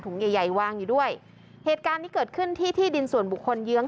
ใหญ่ใหญ่วางอยู่ด้วยเหตุการณ์ที่เกิดขึ้นที่ที่ดินส่วนบุคคลเยื้อง